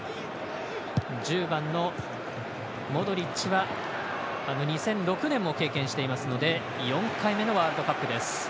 １０番のモドリッチは２００６年も経験していますので４回目のワールドカップです。